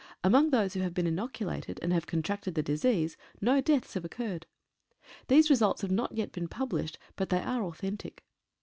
Among those who have been inoculated, and have contracted the disease, no deaths have occurred. These results have not yet been published, but they are au thentic.